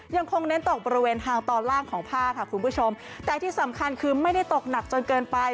ยังคงเน้นตกบริเวณทางตอนล่างของภาคค่ะคุณผู้ชมแต่ที่สำคัญคือไม่ได้ตกหนักจนเกินไป